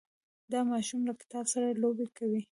دا ماشوم له کتاب سره لوبې کوي.